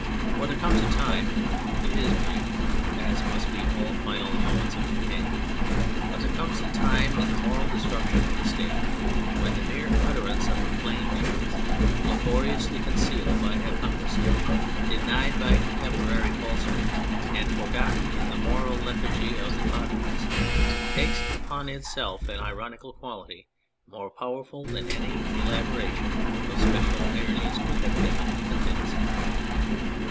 For there comes a time it is brief, as must be all final moments of decay but there comes a time in the moral disruption of a State when the mere utterance of a plain truth laboriously concealed by hypocrisy, denied by contemporary falsehood, and forgotten in the moral lethargy of the populace, takes upon itself an ironical quality more powerful than any elaboration of special ironies could have taken in the past.